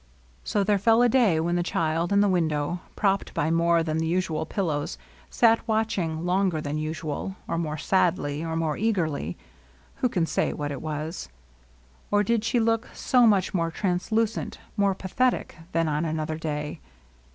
26 LOVELINESS. So there fell a day when the child in the win dow, propped by more than the usual pillows^ sat watching longer than usual, or more sadly, or more eagerly, — who can say what it was ? Or did she look so much more translucent, more pathetic, than on another day